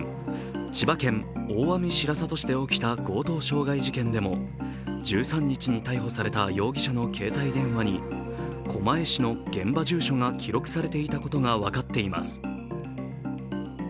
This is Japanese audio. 千葉県大網白里市で起きた強盗傷害事件でも、１３日に逮捕された容疑者の携帯電話に狛江市の現場住所が記録されていたことが分かっています。